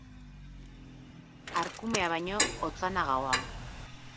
Arkumea baino otzanagoa.